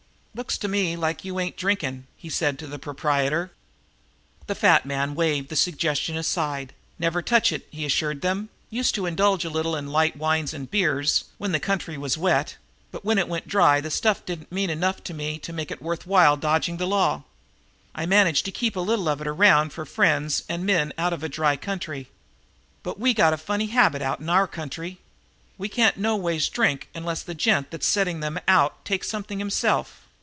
Looks to me like you ain't drinking," he said to the proprietor. The fat man waved the suggestion aside. "Never touch it," he assured them. "Used to indulge a little in light wines and beers when the country was wet, but when it went dry the stuff didn't mean enough to me to make it worth while dodging the law. I just manage to keep a little of it around for old friends and men out of a dry country." "But we got a funny habit out in our country. We can't no ways drink unless the gent that's setting them out takes something himself.